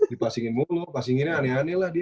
dipasingin mulu pasinginnya aneh aneh lah dia